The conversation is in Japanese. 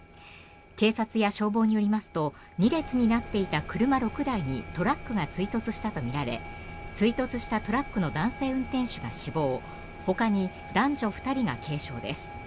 警察や消防によりますと２列になっていた車６台にトラックが追突したとみられ追突したトラックの男性運転手が死亡ほかに男女２人が軽傷です。